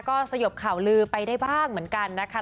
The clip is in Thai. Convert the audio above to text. ก็สยบข่าวลือไปได้บ้างเหมือนกันนะคะ